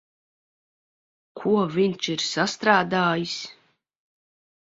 Ko viņš ir sastrādājis?